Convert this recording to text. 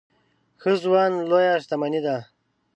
ښه ژوند لويه شتمني ده.